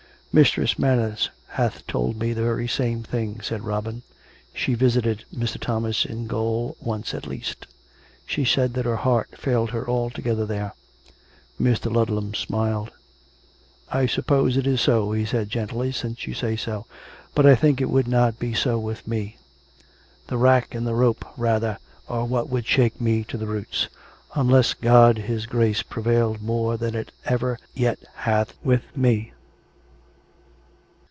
" Mistress Manners hath told me the very same thing," said Robin. " She visited Mr. Thomas in gaol once at least. She said that her heart failed her altogether there." Mr. Ludlam smiled. " I suppose it is so," he said gently, " since you say so. But I think it would not be so with me. The rack and the rope, rather, are what would shake me to the roots, unless God His Grace prevailed more than it ever yet hath with me."